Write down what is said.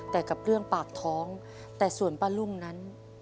แต่กับเรื่องปากท้องแต่ส่วนป้ารุ่งนั้น